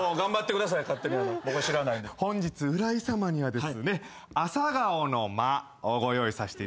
本日浦井さまにはですねアサガオの間をご用意させていただきました。